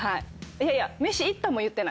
いやいや飯行ったも言ってない。